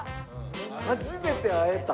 「初めて会えた」？